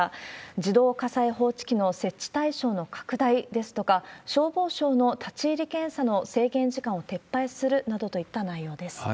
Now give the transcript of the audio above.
自動火災報知機の設置対象の拡大ですとか、消防署の立ち入り検査の制限時間を撤廃するなどといった内容です。